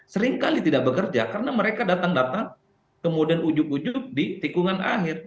seringkali tidak bekerja karena mereka datang datang kemudian ujuk ujuk di tikungan akhir